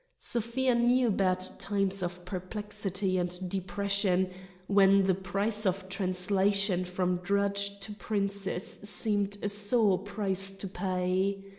Sofia knew bad times of perplexity and depression, when the price of translation from drudge to princess seemed a sore price to pay.